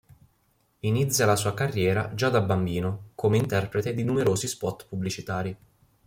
Inizia la sua carriera già da bambino, come interprete di numerosi spot pubblicitari.